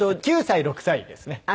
９歳６歳ですね。